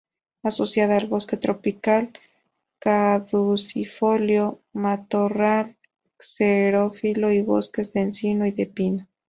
Asociada al bosque tropical caducifolio, matorral xerófilo y bosques de encino y de pino.